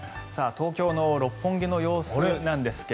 東京の六本木の様子なんですが。